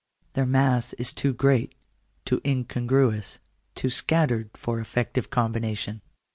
Their mass is too great, too incongruous, too scattered, for effective combination.